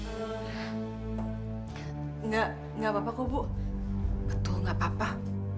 sepertinya leben dicobkok